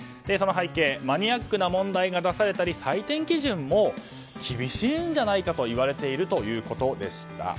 その背景マニアックな問題が出されたり採点基準も厳しいんじゃないかといわれているということでした。